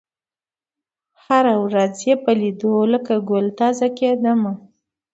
هره ورځ یې په لېدلو لکه ګل تازه کېدمه